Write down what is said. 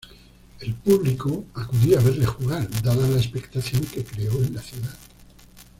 El público acudía a verle jugar dada la expectación que creó en la ciudad.